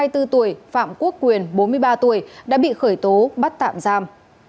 hai mươi bốn tuổi phạm quốc quyền bốn mươi ba tuổi đã bị khởi tố bắt tạm giam